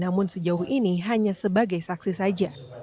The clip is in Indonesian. namun sejauh ini hanya sebagai saksi saja